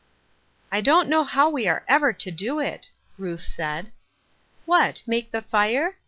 " I don't know how we are ever to do it," Ruth said. " What, make the fire